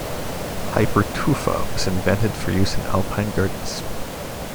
Hypertufa was invented for use in alpine gardens.